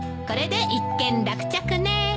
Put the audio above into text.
これで一件落着ね。